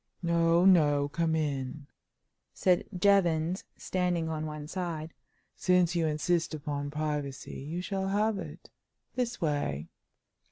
"No, no; come in," said Jevons, standing on one side. "Since you insist upon privacy, you shall have it. This way."